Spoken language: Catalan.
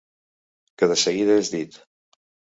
Que de seguida és dit.